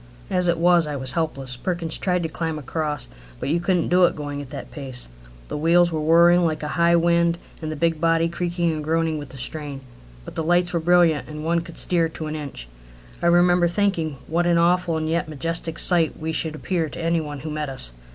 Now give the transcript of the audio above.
As it was, I was helpless. Perkins tried to climb across, but you couldn't do it going at that pace. The wheels were whirring like a high wind and the big body creaking and groaning with the strain. But the lights were brilliant, and one could steer to an inch. I remember thinking what an awful and yet majestic sight we should appear to any one who met us.